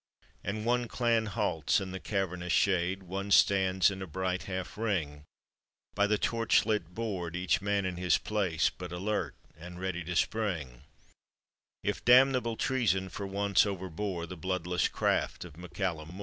And one clan halts in the cavernous shade, One stands in a bright half ring By the torch lit board, each man in his place, But alert, and ready to spring If damnable treason for once overbore The bloodless craft of MacCallum M6r.